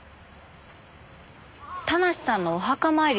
田無さんのお墓参りですか？